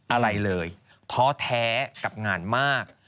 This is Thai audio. อะไรเลยเท้ากับงานมาก